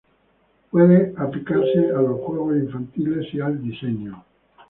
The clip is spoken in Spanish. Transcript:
Puede aplicarse a los juegos infantiles y al diseño.